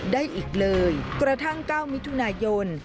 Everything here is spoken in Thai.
ได้อีกเลยกระทั่ง๙มิถุนายน